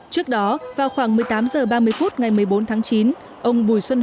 trước đó vào khoảng một mươi tám h ba mươi phút ngày một mươi bốn tháng chín ông bùi xuân